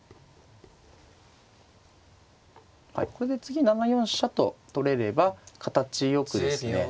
はいこれで次７四飛車と取れれば形よくですね